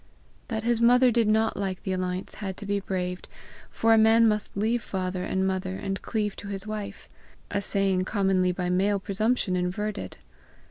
That his mother did not like the alliance had to be braved, for a man must leave father and mother and cleave to his wife a saying commonly by male presumption inverted.